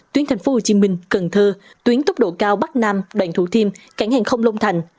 tuyến tp hcm cần thơ tuyến tốc độ cao bắc nam đoạn thủ thiêm cảng hàng không lông thành